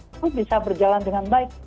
itu bisa berjalan dengan baik